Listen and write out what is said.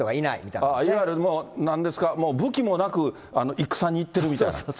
いわゆるなんですか、武器もなく、戦に行ってるみたいな。